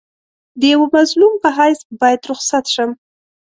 د یوه مظلوم په حیث باید رخصت شم.